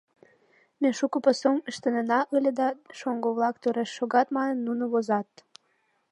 Ме шуко пасум ыштынена ыле да, шоҥго-влак тореш шогат манын, нуно возат.